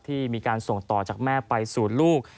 ที่มีการส่งต่อจากแม่ไปสู่ลูก